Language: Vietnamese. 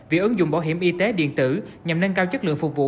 việc ứng dụng bảo hiểm y tế điện tử nhằm nâng cao chất lượng phục vụ